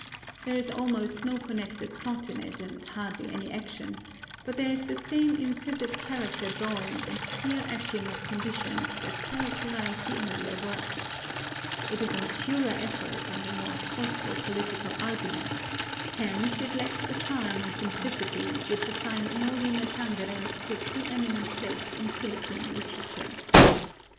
There is almost no connected plot in it and hardly any action, but there is the same incisive character drawing and clear etching of conditions that characterize the earlier work. It is a maturer effort and a more forceful political argument, hence it lacks the charm and simplicity which assign Noli Me Tangere to a preeminent place in Philippine literature.